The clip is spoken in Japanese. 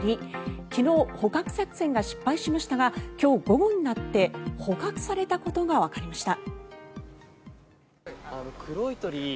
昨日、捕獲作戦が失敗しましたが今日午後になって捕獲されたことがわかりました。